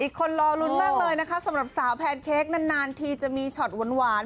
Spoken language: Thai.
คนรอลุ้นมากเลยนะคะสำหรับสาวแพนเค้กนานทีจะมีช็อตหวาน